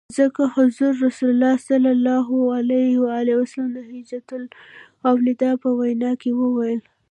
ځکه حضرت رسول ص د حجة الوداع په وینا کي وویل.